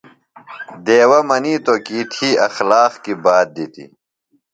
دیوہ منیتو کی تھی اخلاق کیۡ بات دِتیۡ۔